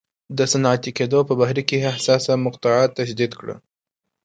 د صنعتي کېدو په بهیر کې حساسه مقطعه تشدید کړه.